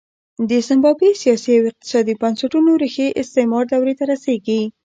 د زیمبابوې سیاسي او اقتصادي بنسټونو ریښې استعمار دورې ته رسېږي.